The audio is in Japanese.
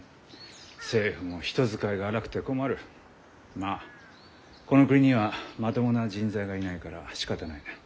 まあこの国にはまともな人材がいないからしかたない。